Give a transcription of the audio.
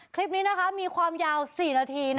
คลิปนี้มีความยาว๔นาที